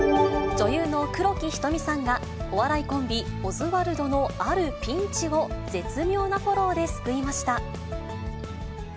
女優の黒木瞳さんが、お笑いコンビ、オズワルドのあるピンチを絶妙なフォローで救いました。